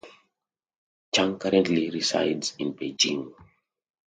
Chung currently resides in Beijing.